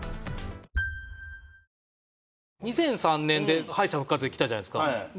２００３年で敗者復活で来たじゃないですか。